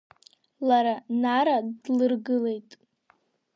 Лара Нара длыргылеит.